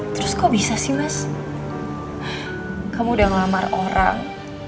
terus kok bisa sih mas kamu udah ngelamar orang